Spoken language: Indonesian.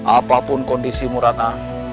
apapun kondisimu ratna